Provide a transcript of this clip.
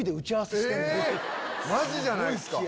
マジじゃないっすか！